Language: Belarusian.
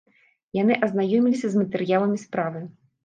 Яны азнаёміліся з матэрыяламі справы.